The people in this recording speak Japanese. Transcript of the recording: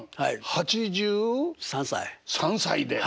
８３歳で。